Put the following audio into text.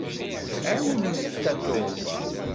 Ɛiwnemt Tatoeba!